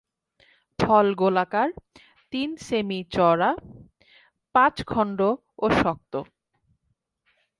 ফল গোলাকার, তিন সেমি চওড়া, পাঁচ খণ্ড ও শক্ত।